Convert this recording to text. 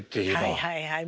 はいはいはい。